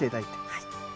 はい。